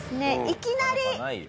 いきなり。